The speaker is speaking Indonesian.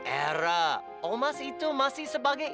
era omas itu masih sebagian besar